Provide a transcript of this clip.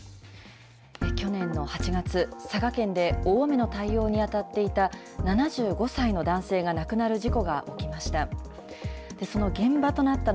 去年の８月、佐賀県で大雨の対応に当たっていた７５歳の男性が亡くなる事故が起きました。